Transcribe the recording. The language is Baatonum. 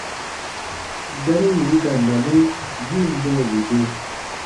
Gari yì i ka na mi, yi ǹ nɔɔbu do.